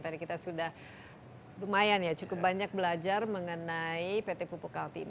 tadi kita sudah lumayan ya cukup banyak belajar mengenai pt pupuk kaltim